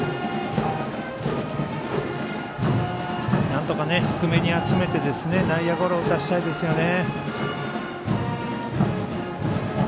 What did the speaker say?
なんとか低めに集めて内野ゴロ打たせたいですよね。